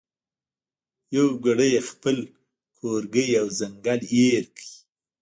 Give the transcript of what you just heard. یو ګړی یې خپل کورګی او ځنګل هېر کړ